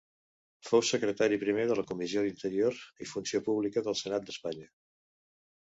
Fou secretari primer de la Comissió d'Interior i Funció Pública del Senat d'Espanya.